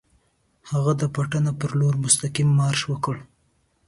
هغه د پټنه پر لور مستقیم مارش وکړي.